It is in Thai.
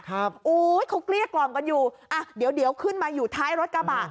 โอ้ยเขาเกลี้ยกล่อมกันอยู่อ่ะเดี๋ยวเดี๋ยวขึ้นมาอยู่ท้ายรถกระบะ